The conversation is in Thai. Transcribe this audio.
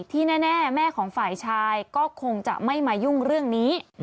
ที่แน่แม่ของฝ่ายชายก็คงจะไม่มายุ่งเรื่องนี้